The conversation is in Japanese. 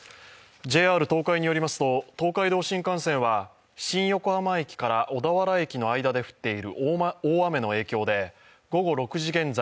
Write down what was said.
ＪＲ東海によりますと東海道新幹線は新横浜駅から小田原駅の間で降っている大雨の影響で午後６時現在、